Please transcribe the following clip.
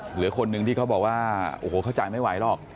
เหลือคนหนึ่งที่เขาบอกว่าโอ้โหเขาจ่ายไม่ไหวหรอก